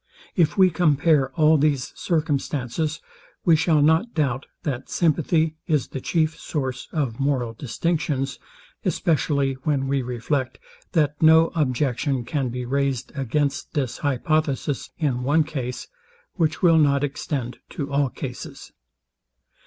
If we compare all these circumstances, we shall not doubt, that sympathy is the chief source of moral distinctions; especially when we reflect, that no objection can be raised against this hypothesis in one case, which will not extend to all cases.